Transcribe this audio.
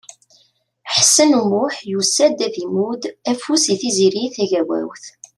Ḥsen U Muḥ yusa-d ad imudd afus i Tiziri Tagawawt.